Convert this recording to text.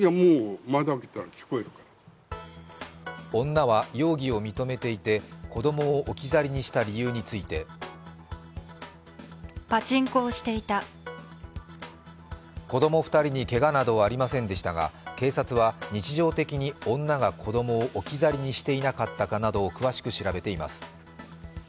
女は容疑を認めていて、子供を置き去りにした理由について子供２人にけがなどはありませんでしたが、警察は日常的に女が子供を置き去りにしていなかったかなどを詳しく調べています。